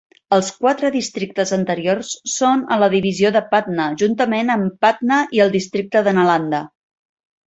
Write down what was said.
Els quatre districtes anteriors són a la divisió de Patna juntament amb Patna i el districte de Nalanda.